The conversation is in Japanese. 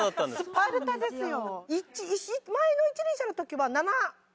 スパルタですよ！